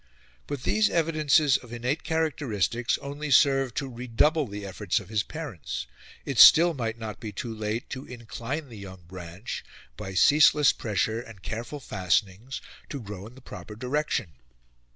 But these evidences of innate characteristics only served to redouble the efforts of his parents; it still might not be too late to incline the young branch, by ceaseless pressure and careful fastenings, to grow in the proper direction.